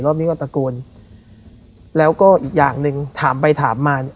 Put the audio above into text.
รอบนี้ก็ตะโกนแล้วก็อีกอย่างหนึ่งถามไปถามมาเนี่ย